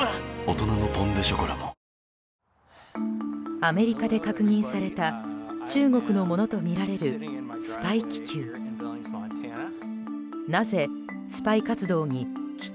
アメリカで確認された中国のものとみられるスパイ気球。